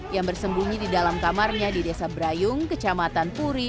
yang bersembunyi di dalam kamarnya di desa brayung kecamatan puri